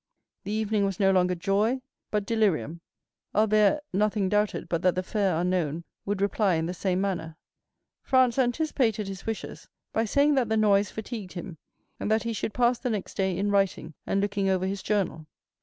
The evening was no longer joy, but delirium. Albert nothing doubted but that the fair unknown would reply in the same manner. Franz anticipated his wishes by saying that the noise fatigued him, and that he should pass the next day in writing and looking over his journal.